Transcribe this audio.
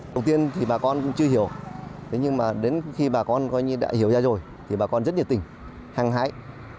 đầu tiên thì bà con chưa hiểu nhưng mà đến khi bà con đã hiểu ra rồi thì bà con rất nhiệt tình hăng hãi